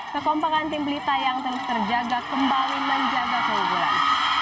kekompakan tim pelita yang terus terjaga kembali menjaga keunggulan